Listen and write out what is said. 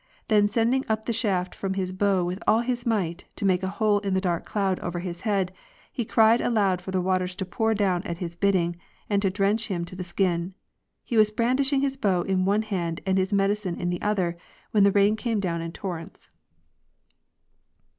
Then, sending up the shaft from his bow with all his might, to make a hole in the dark cloud over his head; he cried aloud for the waters to pour down at his bidding and to drench him to the skin. He was brandishing his bow in one hand and his medicine in the other, when the rain came down in torrents.